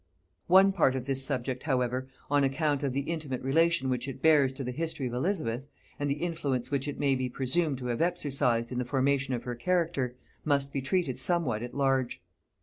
One part of this subject, however, on account of the intimate relation which it bears to the history of Elizabeth, and the influence which it may be presumed to have exercised in the formation of her character, must be treated somewhat at large.